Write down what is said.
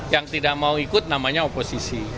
yang tidak mau ikut namanya oposisi